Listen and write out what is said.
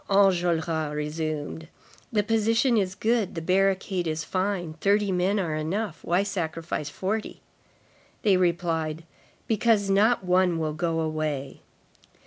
Enjolras resumed: "The position is good; the barricade is fine. Thirty men are enough. Why sacrifice forty?" They replied: "Because not one will go away."